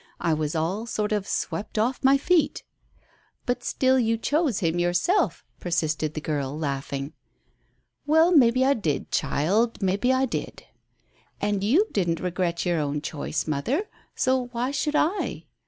I was all sort of swept off my feet." "But still you chose him yourself," persisted the girl, laughing. "Well, maybe I did, child, maybe I did." "And you didn't regret your own choice, mother; so why should I?"